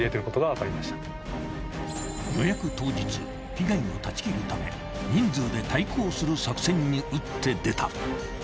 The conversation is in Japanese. ［被害を断ち切るため人数で対抗する作戦に打って出た］